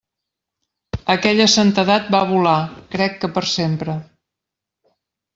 Aquella santedat va volar, crec que per sempre.